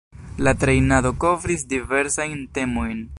La trejnado kovris diversajn temojn.